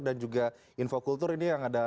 dan juga infokultur ini yang ada